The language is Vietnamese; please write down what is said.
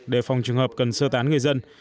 để phòng trường hợp cần sơ tán người dân